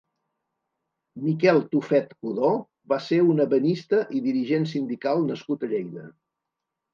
Miquel Tufet Codó va ser un ebenista i dirigent sindical nascut a Lleida.